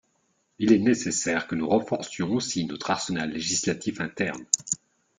Il est nécessaire que nous renforcions aussi notre arsenal législatif interne.